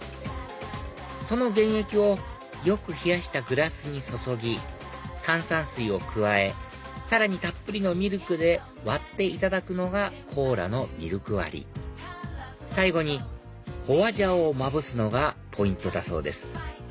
その原液をよく冷やしたグラスに注ぎ炭酸水を加えさらにたっぷりのミルクで割っていただくのがコーラのミルク割り最後に花椒をまぶすのがポイントだそうです